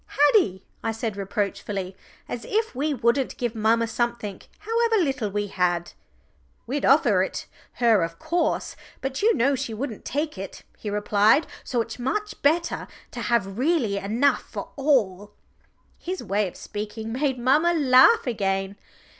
"Haddie," I said reproachfully, "as if we wouldn't give mamma something however little we had!" "We'd offer it her of course, but you know she wouldn't take it," he replied. "So it's much better to have really enough for all." His way of speaking made mamma laugh again.